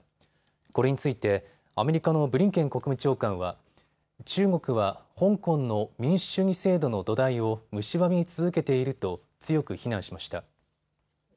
これについてアメリカのブリンケン国務長官は中国は香港の民主主義制度の土台をむしばみ続けていると強く非難しました。